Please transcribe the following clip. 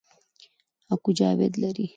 اکو جاوید لري